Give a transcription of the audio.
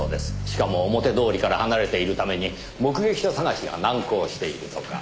しかも表通りから離れているために目撃者探しが難航しているとか。